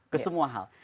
ke semua hal